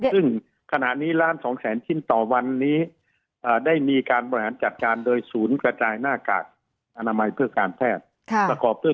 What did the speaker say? ซึ่งขณะนี้ล้านสองแสนชิ้นต่อวันนี้ได้มีการบริหารจัดการโดยศูนย์กระจายหน้ากากอนามัยเพื่อการแพทย์ประกอบด้วย